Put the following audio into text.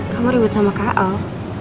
kamu ribut sama kak el